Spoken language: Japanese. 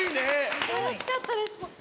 すばらしかったです。